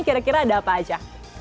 kira kira ada apa aja